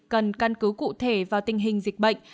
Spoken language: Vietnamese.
cần căn cứ cụ thể vào tỉnh kiên giang